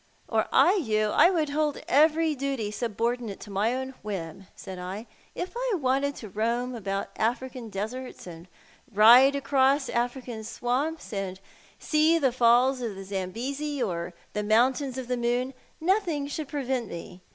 " Were I you, I would hold every duty subordinate to my own whim," said I. '• If I wanted to roam about African deserts, and ride across African swamps, and see tlie Falls of the Zambesi or the Mountains of the Moon, nothing should ]irevent me.